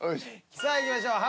さあいきましょう。